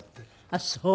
あっそう。